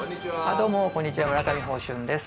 どうもこんにちは村上芳春です。